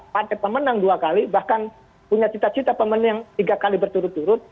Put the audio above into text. partai pemenang dua kali bahkan punya cita cita pemenang tiga kali berturut turut